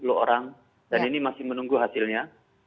terhadap satu ratus tujuh puluh orang dan ini masih menunggu hasilnya